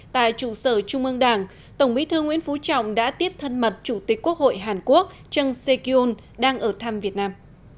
tại chủ sở trung ương đảng tổng bí thư nguyễn phú trọng đã tiếp thân mặt chủ tịch quốc hội hàn quốc trần sê kyun đang ở thăm việt nam